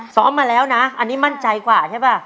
ซ้อมมาแล้วนะอันนี้มั่นใจกว่าใช่ป่ะ